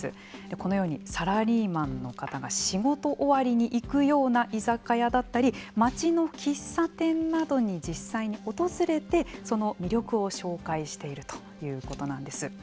このようにサラリーマンの方が仕事終わりに行くような居酒屋だったり街の喫茶店などに実際に訪れてその魅力を紹介しているということなんです。